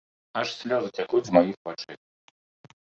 Аж слёзы цякуць з маіх вачэй.